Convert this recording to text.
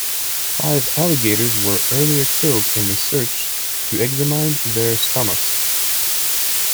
Five alligators were earlier killed in the search, to examine their stomachs.